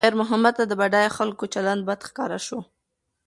خیر محمد ته د بډایه خلکو چلند بد ښکاره شو.